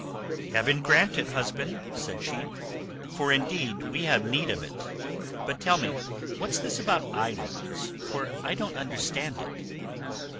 "Heaven grant it, husband," said she, "for indeed we have need of it. But tell me, what's this about islands, for I don't understand it?"